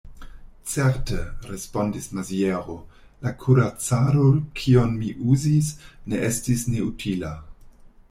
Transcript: Certe, respondis Maziero, la kuracado, kiun mi uzis, ne estis neutila.